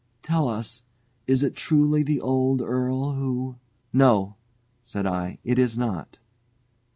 Tell us, is it truly the old earl who " "No," said I; "it is not."